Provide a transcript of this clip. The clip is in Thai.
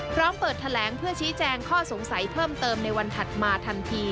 พร้อมเปิดแถลงเพื่อชี้แจงข้อสงสัยเพิ่มเติมในวันถัดมาทันที